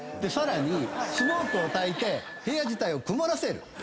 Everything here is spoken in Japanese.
さらにスモークをたいて部屋自体を曇らせる。